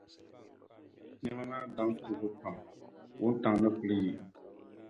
Niɛma maa daŋ kuubu pam, wuntaŋ ni kuli yi.